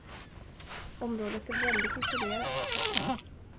Området är väldigt isolerat.